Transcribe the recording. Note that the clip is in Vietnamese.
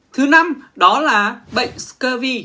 thứ năm đó là bệnh scurvy